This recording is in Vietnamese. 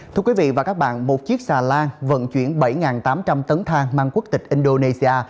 thưa quý vị và các bạn một chiếc xà lan vận chuyển bảy tám trăm linh tấn than mang quốc tịch indonesia